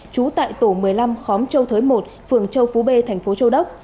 trú tại tổ một mươi năm khóm châu thới một phường châu phú b thành phố châu đốc